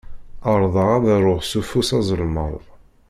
Ԑerḍeɣ ad aruɣ s ufus azelmaḍ.